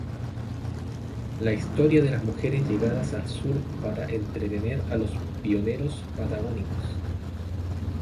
La historia de las mujeres llegadas al sur para entretener a los pioneros patagónicos.